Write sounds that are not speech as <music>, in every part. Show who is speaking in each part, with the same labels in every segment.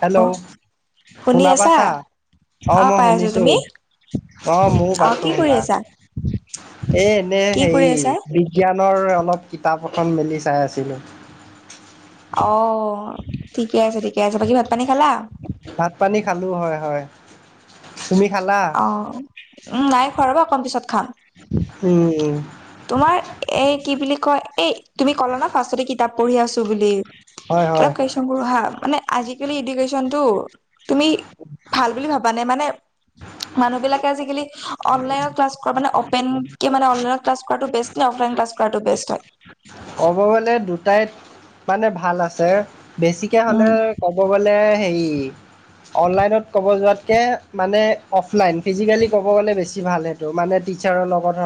Speaker 1: Hello
Speaker 2: শুনি
Speaker 1: শুনা
Speaker 2: আছা?
Speaker 1: পাছা অ', মই
Speaker 2: পাই আছো।
Speaker 1: শুনিছো।
Speaker 2: তুমি?
Speaker 1: অ' মউ পাতলো
Speaker 2: কি কৰি
Speaker 1: কথা
Speaker 2: আছা?
Speaker 1: এই এনে
Speaker 2: কি কৰি
Speaker 1: হেৰি
Speaker 2: আছা?
Speaker 1: চুলি। জ্ঞানৰ অলপ কিতাপ এখন মেলি চাই আছিলোঁ।
Speaker 2: অ অ অ অ অ, ঠিকে আছে ঠিকে আছে বাকী ভাত পানী খালা?
Speaker 1: ভাত পানী খালো হয় হয়, তুমি খালা?
Speaker 2: অ' উম নাই খোৱা ৰবা অকন পিছত খাম হুম।
Speaker 1: উম
Speaker 2: তোমাৰ এই কি বুলি কয় এই তুমি কলনত ফাষ্টতে কিতাপ পঢ়ি আছো বুলি
Speaker 1: হয়
Speaker 2: এটা
Speaker 1: হয়
Speaker 2: কোচ তংগুৰু হা মানে আজিকালি এডুকেশচন টো তুমি ভাল বুলি ভাবা নে মানে মানুহ বিলাকে আজিকালি ইহ অলাইনত ক্লাছ কৰা মানে অপেনকে মানে অনলাইনত ক্লাছ কৰাটো বেষ্ট। এতিয়া অফলাইন ক্লাছ কৰাটো বেষ্ট হয়।
Speaker 1: ক'ব গলে দুটাই মানে ভাল আছে বেছিকে
Speaker 2: উম,
Speaker 1: হ'লে। ক'ব গ'লে হেৰি। অনলাইনত ক'ব যোৱাতকে মানে অফলাইন ফিজিকেলি ক'ব গ'লে বেছি ভালহে। মানে টিচাৰৰ লগত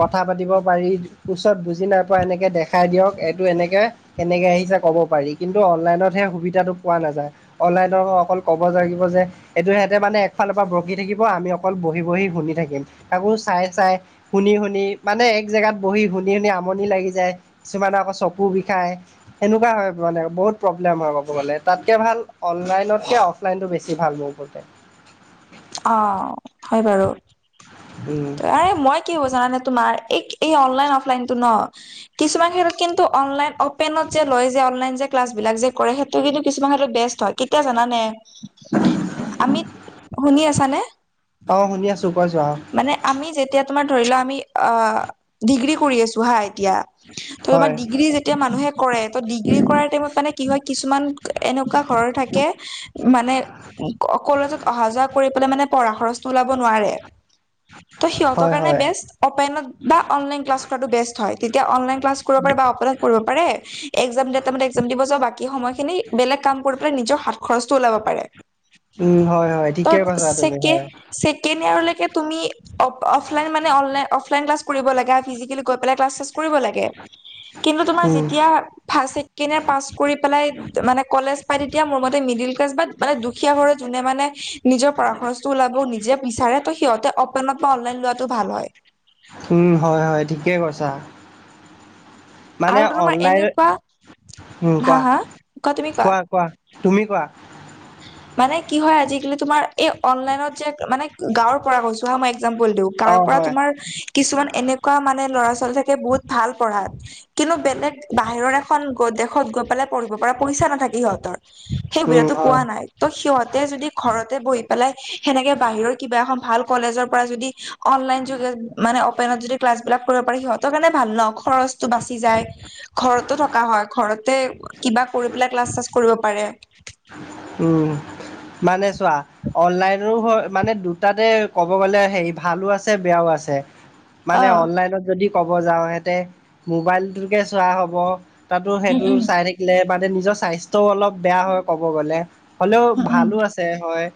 Speaker 1: কথা পাতিব পাৰি ওচত বুজি নাইপোৱা এনেকে এ দেখাই দিয়ক এইটো এনেকে কেনেকে আহিছে ক'ব পাৰি কিন্তু অনলাইনত হে সুবিধাটো পোৱা নাযায়। অনলাইনত অকল ক'ব লাগিব যে। এইটো সিহঁতে মানে একফালৰ পৰা বকি থাকিব আমি অকল বহি - বহি শুনি থাকিম তাকো চাই - চাই শুনি - শুনি মানে এক জেগাত বহি শুনি - শুনি আমনি লাগি যায়। কিছুমানে আকৌ চকু বিষায় সেনেকুৱা হয় মানে বহুত প্ৰব্লেম হয় ক'ব গ'লে তাতকে ভাল অনলাইনতকে অফলাইনতটো বেছি ভাল মোৰ ক
Speaker 2: অ, হয় বাৰু
Speaker 1: উম
Speaker 2: এ মই কি হব জানে তোমাৰ এই এই অনলাইন অফলাইন টো ন কিছুমান ক্ষেত্ৰত কিন্তু অনলাইন টেনত যে লয় যে অনলন যে ক্লাছবিলাক যে কৰে সেইটো কিন্তু কিছুমান ক্ষেত্ৰত বেষ্ট কেতিয়া জানানে আমি শুনি আছা নে?
Speaker 1: অ শুনি আছো কৈ যোৱা
Speaker 2: মানে আমি যেতিয়া তোমাৰ ধৰি লোৱা আমি আহ ডিগ্ৰী কৰি আছো হা এতিয়া ত তোমাৰ
Speaker 1: হয়
Speaker 2: ডিগ্ৰী যেতিয়া মানুহে কৰে ত ডিগ্ৰী কৰাৰ টাইমত মানে কি হয় কিছুমান এনেকুৱা ঘৰৰ থাকে মানে কলেজত অহা যোৱা কৰি পেলাই মানে পঢ়া খৰচটো ওলাব নোৱাৰে। ত' সিহতৰ
Speaker 1: হয়
Speaker 2: কাৰে
Speaker 1: হয়
Speaker 2: বেষ্ট অপেনত বা অনলাইন ক্লাছ কৰাটো বেষ্ট হয় তেতিয়া অনলাইন ক্লাছ কৰিব পাৰে বা অপেনত কৰিব পাৰে। একজাম দেটমতে একজাম দিব যা বাকী সময়খিনি বেলেগ কাম কৰি পেলাই নিজৰ হাত খৰচটো ওলাব পাৰে।
Speaker 1: উম, হয়-হয়।
Speaker 2: ত ছেকে-ছেকেণ্ড ইয়াৰলৈকে তুমি অ, অফ লাইন মানে online offline class কৰিব লাগে আৰু ফিজিকেলি গৈ পেলায় ক্লাছ কৰিব লাগে কিন্তু তোমাৰ
Speaker 1: উম
Speaker 2: যেতিয়া ভাল কিনে পাছ কৰি পেলাই মানে কলেজ পাই তেতিয়া মোৰ মতে মিডিল ক্লাছ ব মানে দুখীয়া ঘৰৰ যোনে মানে নিজৰ পঢ়া খৰচটো ওলাবও নিজে বিচাৰে ত' সিহঁতে অপেনত বা অনলাইন লোৱাতটো ভাল হয়।
Speaker 1: উম, হয় - হয় ঠিকে কৈছা। মানে
Speaker 2: আৰু তোমাৰ
Speaker 1: অনলাইন
Speaker 2: এনেকুৱা
Speaker 1: উম,
Speaker 2: হা হা কোৱা তুমি কোৱা।
Speaker 1: কোৱা-কোৱা-কোৱা তুমি কোৱা?
Speaker 2: মানে কি হয় আজিকালি তোমাৰ এই অনলাইনত যে মানে গাঁৱৰ পৰা কৈছো হা মই একজাম্পুল টো
Speaker 1: অ
Speaker 2: গাঁৱৰ পৰা
Speaker 1: হয়
Speaker 2: তোমাৰ কিছুমান এনেকুৱা মানে ল'ৰা ছোৱালী থাকে বহুত ভাল পঢ়াত কিন্তু বেলেগ বাহিৰৰ এখন গ দেশত গৈ পেলাই পঢ়িব পৰা পইচা নাথাকে সিহঁতৰ সেই
Speaker 1: উম হয়
Speaker 2: পোৱা ত সিহঁতে যদি ঘৰতে বহি পেলাই সেনেকে বাহিৰৰ কিবা এখন ভাল কলেজৰ পৰা যদি অনলাইন যোগে মানে অপেনত যদি ক্লাছ বিলাক কৰিব পাৰি সিহঁতৰ কাৰণে ভাল নহ। খৰচটো বাচি যায় ঘৰতো থকা হয় ঘৰতে কিবা কৰি পেলাই ক্লাছ ছালাছ কৰিব পাৰে।
Speaker 1: উম, মানে চোৱা অনলাইনৰো হয় মানে দুটাতে ক'ব গ'লে হে ভালো আছে বেয়াও আছে।
Speaker 2: অ
Speaker 1: মানে অনলাইনত যদি ক'ব যাও ইয়াতে মোবাইলটোকে চোৱা হব। তাতো
Speaker 2: উম
Speaker 1: সেইটো
Speaker 2: উম
Speaker 1: চাই থাকিলে মানে নিজৰ স্বাস্থ্যও অলপ বেয়া হয় ক'ব গ'লে। হ'লেও
Speaker 2: উম উম
Speaker 1: ভালো আছে হয়।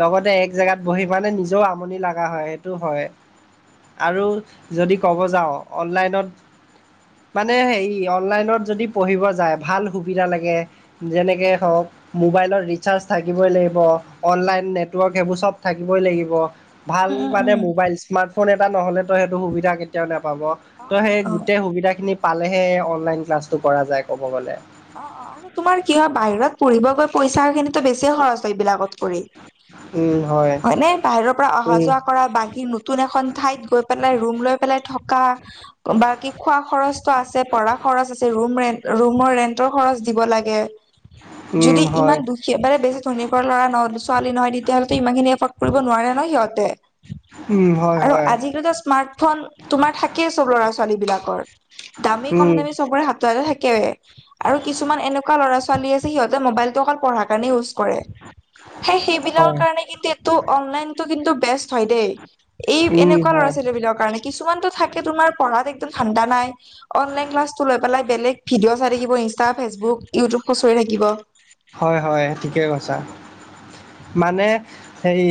Speaker 1: লগতে এক জেগাত বহি মানে নিজেও আমনি লগা হয় সেইটো হয়। আৰু যদি ক'ব যাও অনলাইনত মানে হেৰি অনলাইনত যদি পঢ়িব যায় ভাল সুবিধা লাগে। যেনেকে হওক মোবাইলৰ ৰিচাৰ্জ থাকিবই লাগিব অনলাইন নেটৱৰ্ক সেইবোৰ চব থাকিবই লাগিব। ভাল
Speaker 2: উম উম
Speaker 1: মানে
Speaker 2: উম
Speaker 1: মোবাইল স্মাৰ্টফোন এটা নহ'লে ত সেইটো সুবিধা কেতিয়াও নাপাব
Speaker 2: অ
Speaker 1: ত' সেই
Speaker 2: অ অ
Speaker 1: গোটেই সুবিধাখিনি পালেহে অনলাইন ক্লাছটো কৰা যায় ক'ব গ'লে।
Speaker 2: অ অ আৰু তোমাৰ কি হয় বাহিৰত পঢ়িব গৈ পইচা খিনিতো বেছি খৰচ হয় এইবিলাকত কৰি
Speaker 1: উম হয়
Speaker 2: হয়নে বাহিৰৰ পৰা অহা
Speaker 1: উম
Speaker 2: যোৱা কৰা বাকী নতুন এখন ঠাইত গৈ পেলাই ৰুম লৈ পেলাই থকা বাকী খোৱা খৰচটো আছে পঢ়া খৰচ আছে ৰুম ৰেণ্ট, ৰুমৰ ৰেন্টৰ। খৰচ দিব লাগে
Speaker 1: উম
Speaker 2: যদি
Speaker 1: হয়
Speaker 2: ইমান দুখীয়া ব বেছি ধনী ঘৰৰ ল'ৰা নহলো ছোৱালী নহয় তেতিয়াহ'লেতো ইমান খিনি এফাৰ্ট কৰিব নোৱাৰে ন সিহঁতে
Speaker 1: উম হয়
Speaker 2: আৰু
Speaker 1: হয়
Speaker 2: আজিকালিটো স্মাৰ্টফোন তোমাৰ থাকেই চব ল'ৰা ছোৱালী বিলাকৰ দামী কম
Speaker 1: উম
Speaker 2: দামী চবৰে হাতে হাতে থাকে আৰু কিছুমান এনেকুৱা ল'ৰা ছোৱালী আছে সিহঁতে মোবাইলটো অকল পঢ়াৰ কাৰণে ইউজ কৰে সেই সেইবিলাকৰ
Speaker 1: হয়
Speaker 2: কাৰণে কিন্তু এইটো অনলাইনটো কিন্তু বেষ্ট হয় দেই। এই
Speaker 1: উম
Speaker 2: এনেকুৱা
Speaker 1: হয়
Speaker 2: ল'ৰা ছোৱালী বিলাকৰ কাৰণে কিছুমানতো থাকে তোমাৰ পঢ়াত একদম ধাণ্ডা নাই অন লাইন ক্লাছ টো লৈ পেলায় বেলেগ ভিডিঅ' চাই থাকিব ইনষ্টা, ফেচবুক, ইউটিউব খুচৰি থাকিব
Speaker 1: হয় হয় ঠিকেই কৈছা মানে সেই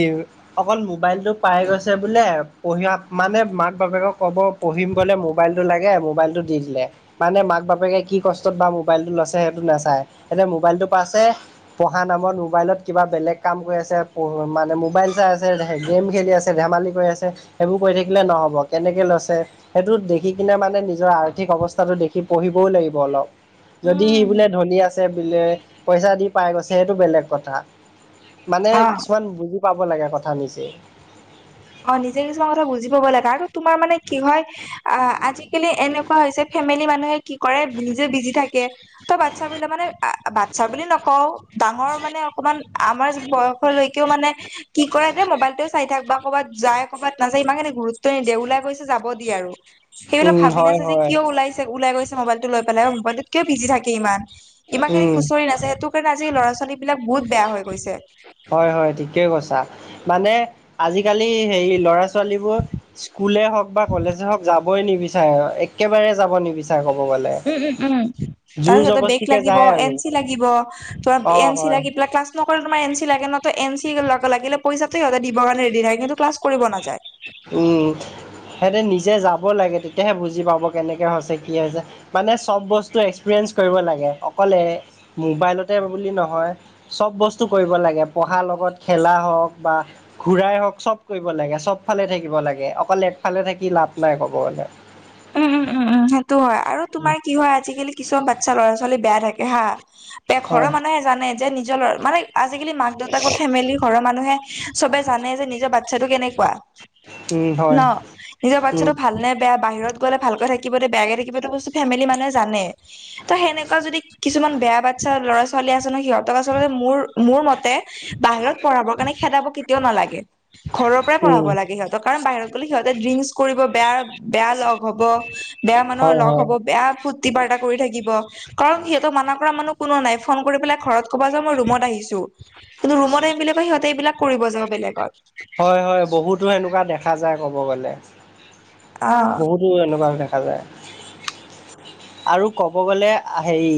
Speaker 1: অকল মোবাইল টো পাই গৈছে বোলে পঢ়াত মানে মাক বাপেকক কব পঢ়িম বলে মোবাইলটো লাগে মোবাইলটো দি দিলে মানে মাক বাপেকে কি কষ্টত বা মোবাইলটো লৈছে সেইটো নাচায় এতিয়া মোবাইলটো পাইছে পঢ়া নামত মোবাইলত কিবা বেলেগ কাম কৰি আছে মানে মোবাইল চাই আছে গেম খেলি আছে ধেমালি কৰি আছে সেইবোৰ কৈ থাকিলে নহ'ব কেনেকে লৈছে সেইটো দেখি কিনে মানে নিজৰ আৰ্থিক অৱস্থাটো দেখি পঢ়িবও লাগিব অলপ যদি সি
Speaker 2: উম।
Speaker 1: বোলে ধনী আছে বোলে পইচা দি পাই গৈছে সেইটো বেলেগ কথা মানে
Speaker 2: অ'।
Speaker 1: কিছুমান বুজি পাব লাগে কথা নিজে
Speaker 2: অ নিজে কিছুমান কথা বুজি পাব লাগে কাৰণ তোমাৰ মানে কি হয় আ আজিকালি এনেকুৱা হৈছে ফেমিলি মানুহে কি কৰে নিজে বিজি থা কে বাচ্ছা বিলাক মানে বাচ্ছা বুলি নকও ডাঙৰ মানে অকমান আমাৰ বয়সলৈকেও মানে কি কৰে তে মোবাইলটোৱে চাই থাক বা ক'ৰবাত যায় ক'ৰবাত নাযায় ইমান খিনি গুৰুত্ব নিদিয়ে ওলাই গৈছে যাব দিয় আৰু সেইবিলাক
Speaker 1: উম
Speaker 2: ভাবি
Speaker 1: হয়
Speaker 2: নাচায় যে
Speaker 1: হয়
Speaker 2: কিয় ওলাইছে ওলাই গৈছে মোবাইলটো লৈ পেলাই মোবাইলটোত কিয় বিজি থাকে ইমান ইমান খিনি
Speaker 1: উম
Speaker 2: খুচৰি নাচায় সেইটো কাৰণে আজি ল'ৰা ছোৱালী বিলাক বহুত বেয়া হৈ গৈছে।
Speaker 1: হয় হয় ঠিকেই কৈছা মানে আজিকালি হেৰি ল'ৰা ছোৱালীবোৰ স্কুলে হওক বা কলেজে হওক যাবই নিবিচাৰে একেবাৰে যাব নিবি ক'ব গলে
Speaker 2: উম উ উ
Speaker 1: জোৰ
Speaker 2: তাৰপিছত বেগ
Speaker 1: জবস্তিকে
Speaker 2: লাগিব
Speaker 1: যায় আৰু
Speaker 2: এন চি লাগিব তোমাৰ
Speaker 1: অ
Speaker 2: এনে চি
Speaker 1: হয়
Speaker 2: লাগি প্ল ক্লাছ নকলে তোমাৰ এন চি লাগে নত এন চি লগ লাগিলে পইচাতো সিহতে দিবৰ কাৰণে ৰেডি থাকে কিন্তু ক্লছ কৰিব নাযায়।
Speaker 1: উম সিহঁতে নিজে যাব লাগে তেতিয়াহে বুজি পাব কেনেকে হৈছে কি হৈছে। মানে চব বস্তু এক্সপিৰিয়েঞ্চ কৰিব লাগে অকলে মোবাইলতে বুলি নহয় চব বস্তু কৰিব লাগে পঢ়াৰ লগত খেলা হওঁক বা ঘুৰাই হওঁক চব কৰিব লাগে চবফালে থাকিব লাগে অকল এফালে থাকি লাভ নাই ক'ব গ'লে।
Speaker 2: উম উম উম উম সেইটো হয় আৰু
Speaker 1: উম।
Speaker 2: তোমাৰ কি হয় আজিকালি কিছুমান বাচ্ছা ল'ৰা ছোৱালী বেয়া থাকে হা এ ঘৰৰ
Speaker 1: হয়,
Speaker 2: মানুহে জানে যে নিজৰ লৰা মানে আজিকালি মাক দেউতাক বা ফেমিলি ঘৰৰ মানুহে চবে জানে যে নিজৰ বাচ্ছাটো কেনেকুৱা
Speaker 1: উম, হয়,
Speaker 2: ন নিজৰ
Speaker 1: উম।
Speaker 2: বাচ্ছাটো ভাল নে বেয়া বাহিৰত গলে ভালকে থাকিব নে বেয়াকে থাকিব সেইটো বস্তু ফেমিলি মানুহে জানে ত সেনেকুৱা যদি কিছুমান বেয়া বাচ্ছা ল'ৰা ছোৱালী আছে ন সিহঁতক আচলতে মোৰ মোৰ মতে বাহিৰত পঢ়াবৰ কাৰণে খেদাব কেতিয়াও নালাগে। ঘৰৰ পৰাই
Speaker 1: উম।
Speaker 2: পঢ়াব লাগে সিহঁতক কাৰণ বাহিৰত গ'লে সিহঁতে ড্ৰিংক কৰিব বেয়া বেয়া লগ হব বেয়া মানুহৰ
Speaker 1: হয়,
Speaker 2: লগ
Speaker 1: হয়,
Speaker 2: হব, বেয়া ফূৰ্তি বাৰ্তা কৰি থাকিব। কাৰণ সিহঁতো মানা কৰা মানুহ কোনো নাই ফোন কৰি পেলাই ঘৰত কব যে মই ৰুমত আহিছো কিন্তু ৰুমত আহিম বুলি কই সিহঁতে এইবিলাক কৰিব যা বেলেগত
Speaker 1: হয় হয় বহুতো সেনেকুৱা দেখা যায় কব গ'লে।
Speaker 2: অ'
Speaker 1: বহুতো এনেকুৱা দেখা যায়। আৰু ক'ব গ'লে হেৰি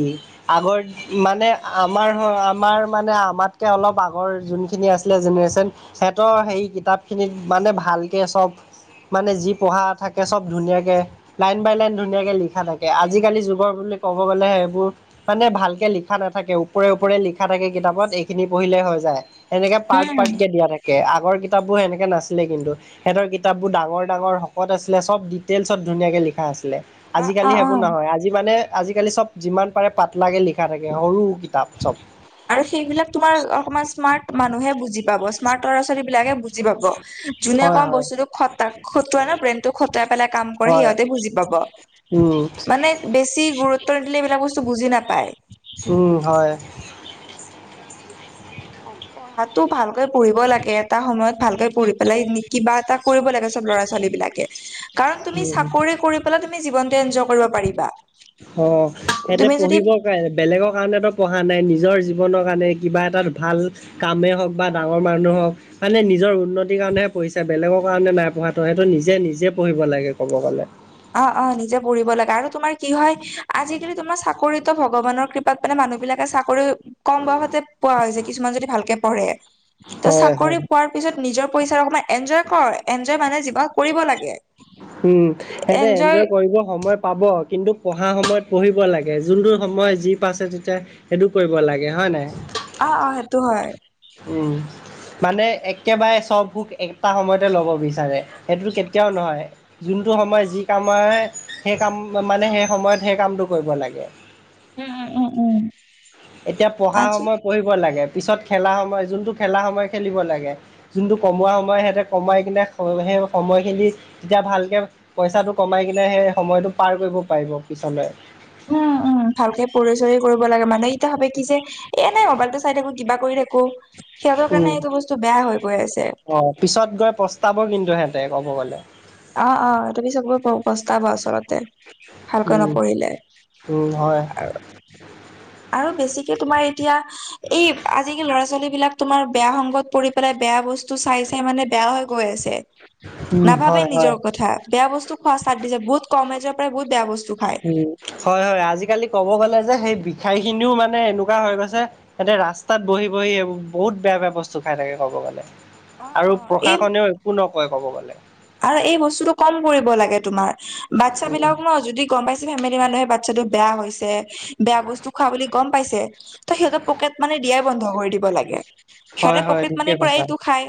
Speaker 1: আগৰ মানে আমাৰ আমাৰ মানে আমাতকে অলপ আগৰ যোনখিনি আছিলে জেনেৰেশ্যন। সিহঁতৰ সেই কিতাপ খিনিত মানে ভালকে চব মানে যি পঢ়া থাকে চব ধুনীয়াকৈ লাইন বাই লাইন ধুনীয়াকৈ লিখা থাকে। আজিকালি যুগৰ বুলি ক'ব গ'লে সেইবোৰ মানে ভালকে লিখা নাথাকে ওপৰে ওপৰে লিখা থাকে কিতাপত এইখিনি পঢ়িলে হৈ যায়। সেনেকে পাৰ্ট
Speaker 2: উম
Speaker 1: পাৰ্ট কে দিয়া থাকে আগৰ কিতাপবোৰ সেনেকে নাছিলে কিন্তু। সিহঁতৰ কিতাপবোৰ ডাঙৰ ডাঙৰ শকত আছিলে চব ডিটেইলছত ধুনীয়াকে লিখা আছিলে
Speaker 2: অ অ
Speaker 1: আজিকালি সেইবোৰ
Speaker 2: অ।
Speaker 1: নহয় আজি মানে আজিকালি চব যিমান পাৰে পাতলাকে লিখা থাকে সৰু কিতাপ চব।
Speaker 2: আৰু সেইবিলাক তোমাৰ অকমান স্মাৰ্ট মানুহে বুজি পাব স্মাৰ্ট ল'ৰা ছোৱালি বিলাকে বুজি পাব যোনে
Speaker 1: হয়
Speaker 2: অকমান
Speaker 1: হয়
Speaker 2: বস্তুটো খতা খতোৱাই ন ব্ৰেইনটো খটাই পেলাই কাম কৰে
Speaker 1: হয়
Speaker 2: সিহঁতে বুজি পাব।
Speaker 1: উম।
Speaker 2: মানে বেছি গুৰুত্ব নিদিলে এইবিলাক বস্তু বুজি নাপায়।
Speaker 1: উম হয়।
Speaker 2: <unintelligible> পঢ়াতো ভালকৈ পঢ়িব লাগে এটা সময়ত ভালকে পঢ়ি পেলাই কিবা এটা কৰিব লাগে চব ল'ৰা ছোৱালী বিলাকে। কাৰণ তুমি
Speaker 1: উম
Speaker 2: চাকৰি কৰি পেলাই তুমি জীৱনটো এনজয় কৰিব পাৰিবা।
Speaker 1: অ' সিহঁতে
Speaker 2: তুমি যদি
Speaker 1: পঢ়িব বেলেগৰ কাৰণেতো পঢ়া নাই নিজৰ জীৱনৰ কাৰণে কিবা এটা ভাল কামে হওঁক বা ডাঙৰ মানুহ হওঁক। মানে নিজৰ উন্নতিৰ কাৰণেহে পঢ়িছে বেলেগৰ কাৰণে নাই পঢ়াটো সেইটো নিজে নিজে পঢ়িব লাগে ক'ব গ'লে।
Speaker 2: অ' অ' নিজে পঢ়িব লাগে আৰু তোমাৰ কি হয় আজিকালি তোমাৰ চাকৰিতো ভগৱানৰ কৃপ পাত মানে মানুহবিলাকে চাকৰি কম বয়সতে পোৱা হৈছে কিছুমান যদি ভালকে পঢ়ে। ত
Speaker 1: হয় হয়
Speaker 2: চাকৰি পোৱাৰ পিছত নিজৰ পইচা অকমান এনজয় কৰ এনজয় মানে জীৱনত কৰিব লাগে।
Speaker 1: উম, সেহেঁতে এনজয় কৰিব সময় পাব কিন্তু পঢ়া সময়ত পঢ়িব লাগে যোনটো সময় যি পাইছে তেতিয়া। সেইটো কৰিব লাগে হয় নাই।
Speaker 2: অ' অ' সেইটো হয়।
Speaker 1: উম। মানে একেবাৰে চব ভোক একটা সময়তে ল'ব বিচাৰে সেইটো কেতিয়াও নহয়। যোনটো সময় যি কাম হয় সেই কাম মানে সেই সময়ত সেই কামটো কৰিব লাগে।
Speaker 2: উম উম উম উম
Speaker 1: এতিয়া পঢ়া
Speaker 2: আজি
Speaker 1: সময় পঢ়িব লাগে পিছত খেলা সময় যোনটো খেলা সময় খেলিব লাগে। যোনটো কমোৱা সময় সিহঁতে কমাই কিনে সেই সময়খিনি। তেতিয়া ভালকে পইচাটো কমাই কিনে সেই সময়টো পাৰ কৰিব পাৰিব পিছলৈ।
Speaker 2: উম -উম ভালকে পঢ়ি চৰি কৰিব লাগে মানে এতিয়া ভাবে কি যে এ নাই মোবাইলটো চাই থাকো কিবা কৰি থাকো সিহঁতৰ কাৰণে
Speaker 1: উম
Speaker 2: এইটো বস্তু বেয়া হৈ গৈ আছে।
Speaker 1: অ' পিছত গৈ পস্তাব কিন্তু সেহঁতে ক'ব গ'লে।
Speaker 2: অ, অ, সিহঁতে পিছত গৈ পস্তাব আচলতে ভালকৈ
Speaker 1: উম
Speaker 2: নপঢ়িলে।
Speaker 1: উম হয়।
Speaker 2: আৰু বেছিকে তোমাৰ এতিয়া এই আজিকালি ল'ৰা ছোৱালী বিলাক তোমাৰ বেয়া সংগত পৰি পেলাই বেয়া বস্তু চাই চাই মানে বেয়া হৈ গৈ আছে।
Speaker 1: উম
Speaker 2: নাভাবে
Speaker 1: হয় হয়
Speaker 2: নিজৰ কথা বেয়া বস্তু খোৱা ষ্টাৰ্ট দিছে বহুত কম এজৰ পৰাই বহুত বেয়া বস্তু খায়।
Speaker 1: উম, হয় হয় আজিকালি ক'ব গ'লে যে সেই বিষাই খিনিও মানে এনেকুৱা হৈ গৈছে। সেহেঁতে ৰাস্তাত বহি বহি বহুত বেয়া বেয়া বস্তু খাই থাকে ক'ব গ'লে।
Speaker 2: অ অ
Speaker 1: আৰু
Speaker 2: এই
Speaker 1: প্ৰশাসনেও একো নকয় কব গ'লে।
Speaker 2: আৰু এই বস্তুটো কম কৰিব লাগে তোমাৰ বাচ্ছা
Speaker 1: উম,
Speaker 2: বিলাক ন যদি। গম পাইছে ফেমিলি মানুহে বাটচাটো বেয়া হৈছ বেয়া বস্তু খোৱা বুলি গম পাইছে, ত' সিহঁতৰ পকেট মানি দিয়াই বন্ধ কৰি দিব লাগে।
Speaker 1: হয়
Speaker 2: সিহঁতে
Speaker 1: হয়
Speaker 2: পকেট
Speaker 1: ঠিকে
Speaker 2: মানিৰ
Speaker 1: কৈছা।
Speaker 2: পৰাইটো খাই,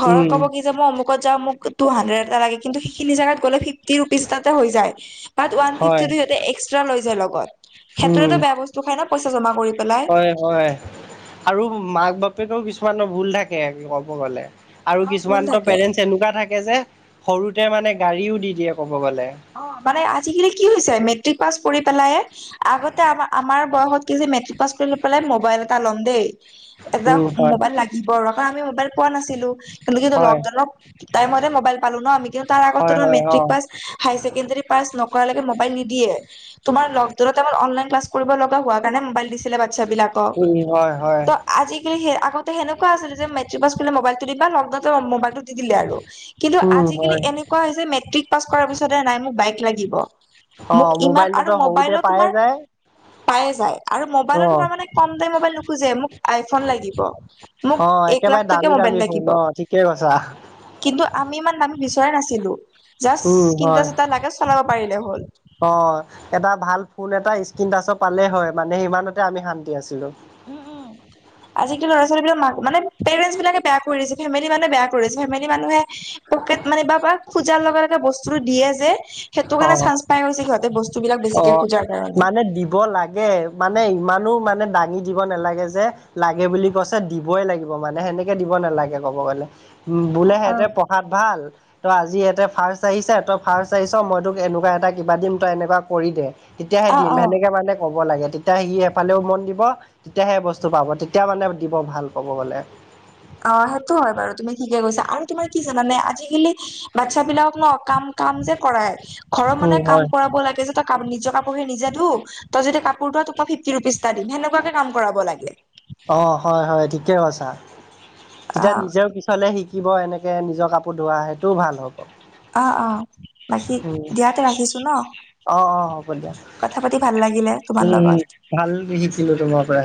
Speaker 2: ঘৰত
Speaker 1: উম,
Speaker 2: ক'ব কি যে মই অমুকত যাওঁ মোক টু হান্দ্ৰেট এটা লাগে, কিন্তু সিখিনি জেগাত গ'লে ফিফটি ৰুপিচ তাতে হৈ যায়। বাত ওৱান
Speaker 1: হয়
Speaker 2: ফিফটিটো সিহঁতে এক্সট্ৰা লৈ যায় লগ
Speaker 1: উম।
Speaker 2: সেইটোৰেতো বেয়া বস্তু খাই ন, পইচা জমা কৰি পেলাই।
Speaker 1: হয় হয়, আৰু মাক বাপেকেৰো কিছুমানৰ ভুল থাকে ক'ব গলে। আৰু
Speaker 2: অ ভুল
Speaker 1: কিছুমানতো
Speaker 2: থাকে
Speaker 1: পেৰেণ্টছ এনেকুৱা থাকে যে, সৰুতে মানে গাড়ীও দি দিয়ে ক'ব গ'লে।
Speaker 2: অ', মানে আজিকালি কি হৈছে মেট্ৰিক পাছ কৰি পেলাইয়ে আগতে আম আমাৰ বয়সত কি হৈছে মেট্ৰিক পাছ কৰি পেলাই ম'বাইল এটা ল'ম দেই। এটা
Speaker 1: উম, হয়
Speaker 2: মোবাইল লাগিব আৰু কাৰণ আমি মোবাইল পোৱা নাছিলো। কিন্তু কি এটো
Speaker 1: হয়
Speaker 2: লকডাউনৰ টাইমতেই মোবাইল পালো ন আমি কিন্তু তাৰ আগতে
Speaker 1: হয়
Speaker 2: তোমাৰ
Speaker 1: হয়
Speaker 2: মেট্ৰিক
Speaker 1: অ',
Speaker 2: পাছ হায়াৰ ছেকেণ্ডাৰী পাছ নকৰালৈকে মোবাইল নিদিয়ে। তোমাৰ লক ডাউনৰ টাইমত অনলাইন ক্লাছ কৰিব লগাব হোৱা কাৰণে মোবাইল দিছ ছিলে বাচ্ছাবলাকক,
Speaker 1: উম, হয় হয়
Speaker 2: ত' আজিকালি সেই আগতে সেনেকোৱা আছিলে যে মেট্ৰিক পাছ কৰিলে মোবাইলটো দিবা লকডাউনতে মোবাইলটো দি দিলে আৰু কিন্তু
Speaker 1: উম,
Speaker 2: আজিকালি
Speaker 1: হয়।
Speaker 2: এনেকুৱা হৈছে মেট্ৰিক পাছ কৰাৰ পিছতে নাই মোক বাইক লাগিব।
Speaker 1: অ
Speaker 2: মোক ইমান আৰু
Speaker 1: মোবাইলটোতো সৰুতে
Speaker 2: মোবাইলৰ
Speaker 1: পায়ে
Speaker 2: তোমাৰ
Speaker 1: যায়
Speaker 2: পায়ে যায় আৰু
Speaker 1: অ
Speaker 2: মোবাইলত তোমাৰ মানে কম দামী মোবাইল নোখোজে মোক আইফোন লাগিব, মোক
Speaker 1: অ
Speaker 2: এক লাখ
Speaker 1: একেবাৰে
Speaker 2: টকীয়া
Speaker 1: দামী
Speaker 2: ম'বাইল
Speaker 1: দামী ফোন
Speaker 2: লাগিব।
Speaker 1: অ ঠিকে কৈছা
Speaker 2: কিন্তু আমি ইমান দামী বিচৰাই নাছিলো।
Speaker 1: উম।
Speaker 2: তিনটা
Speaker 1: হয়
Speaker 2: চটা লাগে চলাব পাৰিলে হ'ল।
Speaker 1: অ', এটা ভাল ফোন এটা স্ক্ৰীনটাচৰ পালে হয় মানে সিমানতে আমি শান্তি আছিলো।
Speaker 2: উম, উম। আজি কালি ল'ৰা ছোৱালীবিলাক মাক মানে পেৰেণ্টছ বিলাকে বেয়া কৰি দিছে, ফেমিলি মানুহে বেয়া কৰিছে ফেমিলি মানুহে পকেট মানি বা পা খোজাৰ লগে লগে বস্তুটো দিয়ে যে, সেইটো
Speaker 1: অ
Speaker 2: কাৰণে চান্স পাই গৈছে সিহঁতে বচ স্তুবিলাক
Speaker 1: অ
Speaker 2: বেছিকে খোজাৰ কাৰণে।
Speaker 1: মানে দিব লাগে মানে ইমানো মানে দাঙি দিব নালাগে যে, লাগে বুলি কৈছে দিবই লাগিব মানে সেনে কে দিব নালাগে ক'ব গ'লে, বোলে
Speaker 2: অ',
Speaker 1: সিহঁতে
Speaker 2: অ'।
Speaker 1: পঢ়াত ভাল ত' আজি ইয়াতে ফাৰ্ষ্ট আহিছে, তই ফাৰ্ষ্ট আহিছ মই তোক এনেকোৱা এটা কিবা দিম তই এনেকোৱা কৰি দে। তেতিয়াহে
Speaker 2: অ',
Speaker 1: দিম,
Speaker 2: অ'।
Speaker 1: সেনেকে মানে ক'ব লাগে তে তিয়া সি এফালেও মন দিব, তেতিয়াহে বস্তু পাব তেতিয়া মানে দিব ভাল পাব মানে।
Speaker 2: অ', সেইটো হয় বাৰু তুমি ঠিকে কৈছা আৰু তোমাৰ কি জানানে আজিকালি বাচ্ছা বিলাকক ন কাম-কাম যে কৰাই, ঘৰৰ
Speaker 1: উম
Speaker 2: মানুহে কাম
Speaker 1: হয়
Speaker 2: ক ৰাব লাগে যে তই কা নিজৰ কাপোৰখিনি নিজে ধু তই যদি কাপোৰ ধোৱা, তোক মই ফিফটি ৰুপিছ এটা দিম সেনেকোৱাকে কাম কৰাব লাগে।
Speaker 1: অ', হয়-হয় ঠিকে কৈছা,
Speaker 2: অ
Speaker 1: তেতিয়া নিজেও পি ছলে শিকিব এনেকে নিজৰ কাপোৰ ধোৱা, সেইটোও ভাল হ'ব।
Speaker 2: অ', অ', বাকী
Speaker 1: উম
Speaker 2: দিয়া তে ৰাখিছো ন।
Speaker 1: অ', অ', হ'ব দিয়া।
Speaker 2: কথা পাতি ভাল লাগিলে তোমাৰ
Speaker 1: উম, উম,
Speaker 2: লগত
Speaker 1: ভাল শিকিলো তোমাৰ পৰা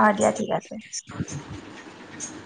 Speaker 2: অ দিয়া ঠিক আছে
Speaker 1: <inaudible>